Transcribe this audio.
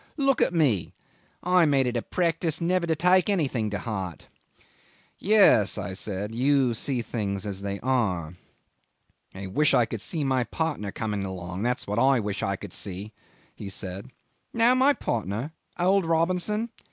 Look at me. I made it a practice never to take anything to heart." "Yes," I said, "you see things as they are." "I wish I could see my partner coming along, that's what I wish to see," he said. "Know my partner? Old Robinson.